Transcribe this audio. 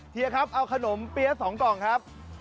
เฮียครับเอาขนมเปี๊ยะ๒กล่องครับ